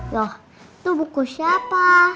loh tuh buku siapa